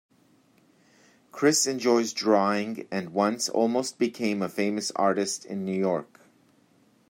Chris enjoys drawing and once almost became a famous artist in New York.